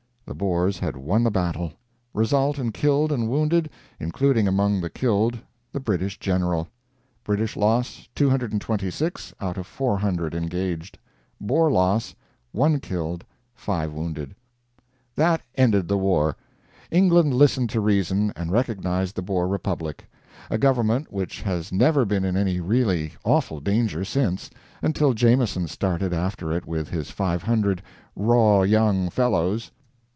The Boers had won the battle. Result in killed and wounded, including among the killed the British General: British loss, 226, out of 400 engaged. Boer loss, 1 killed, 5 wounded. That ended the war. England listened to reason, and recognized the Boer Republic a government which has never been in any really awful danger since, until Jameson started after it with his 500 "raw young fellows."